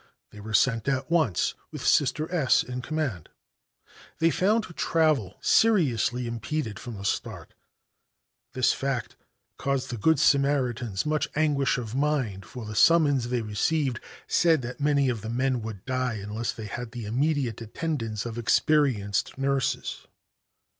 They were sent at once, with Sister S in command. They found travel seriously impeded from the start. This fact caused the good Samaritans much anguish of mind, for the summons they received said that many of the men would die unless they had the immediate attendance of experienced nurses.